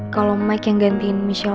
kalau mike yang gantiin michelle